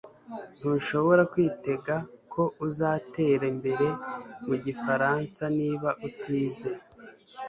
Ntushobora kwitega ko uzatera imbere mu gifaransa niba utize